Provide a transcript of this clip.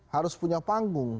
harus punya panggung